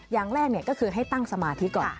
อย่างแรกก็คือให้ตั้งสมาธิก่อน